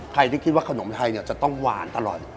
ใครที่คิดว่าขนมไทยเนี่ยจะต้องหวานตลอด